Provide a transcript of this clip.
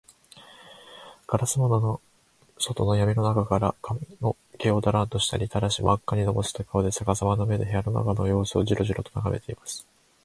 ガラス窓の外のやみの中から、髪かみの毛をダランと下にたらし、まっかにのぼせた顔で、さかさまの目で、部屋の中のようすをジロジロとながめています。